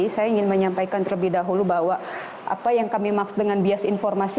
saya ingin menyampaikan terlebih dahulu bahwa apa yang kami maksud dengan bias informasi